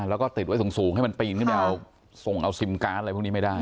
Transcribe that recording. แล้วก็ติดไว้สูงให้มันปีนขึ้นไปเอาส่งเอาซิมการ์ดอะไรพวกนี้ไม่ได้